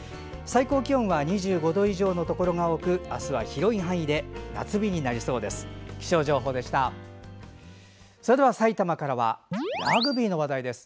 最高気温は２５度以上のところが多くあすは広い範囲で夏日になりそうです。